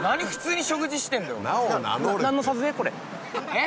えっ？